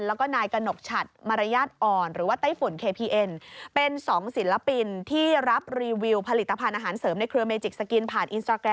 แล้วก็นายกระโรคชัตหรือว่าไต้ฝุ่น